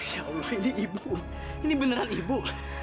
insya allah ini ibu ini beneran ibu